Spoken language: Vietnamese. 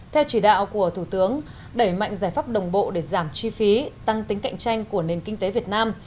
theo chỉ đạo của thủ tướng đẩy mạnh giải pháp đồng bộ để giảm chi phí tăng tính cạnh tranh của nền kinh tế việt nam